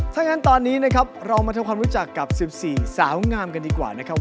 ถ้างั้นตอนนี้นะครับเรามาทำความรู้จักกับ๑๔สาวงามกันดีกว่านะครับ